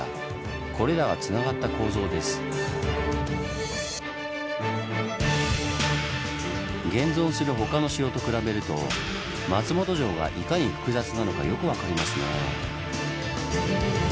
これらがつながった構造です。現存する他の城と比べると松本城がいかに複雑なのかよく分かりますねぇ。